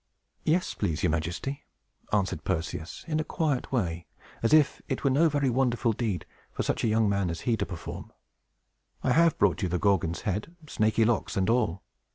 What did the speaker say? "Yes, please your Majesty," answered Perseus, in a quiet way, as if it were no very wonderful deed for such a young man as he to perform. "I have brought you the Gorgon's head, snaky locks and all!"